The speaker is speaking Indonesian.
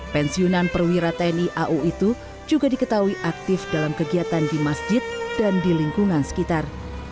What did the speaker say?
pensiunan perwira tni au itu juga diketahui aktif dalam kegiatan di masjid dan di lingkungan sekitar